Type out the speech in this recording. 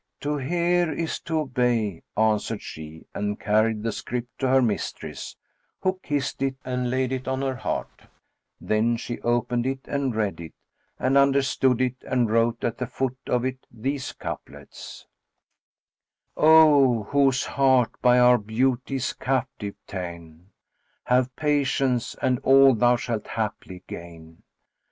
"To hear is to obey," answered she and carried the script to her mistress, who kissed it and laid it on her head, then she opened it and read it and understood it and wrote at the foot of it these couplets, "O whose heart by our beauty is captive ta'en, * Have patience and all thou shalt haply gain!